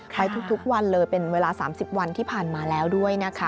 ไปทุกวันเลยเป็นเวลา๓๐วันที่ผ่านมาแล้วด้วยนะคะ